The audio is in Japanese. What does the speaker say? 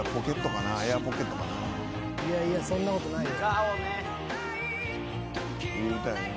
いやいやそんなことないよ。